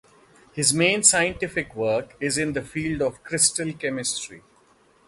His main scientific work is in the field of crystal chemistry.